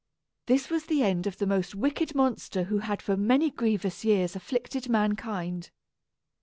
This was the end of the most wicked monster who had for many grievous years afflicted mankind.